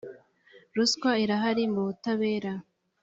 ruswa irahari mu butabera